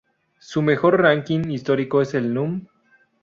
Su mejor ránking histórico es el Núm.